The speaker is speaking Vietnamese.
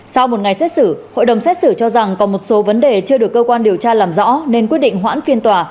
sau một ngày xét xử hội đồng xét xử cho rằng còn một số vấn đề chưa được cơ quan điều tra làm rõ nên quyết định hoãn phiên tòa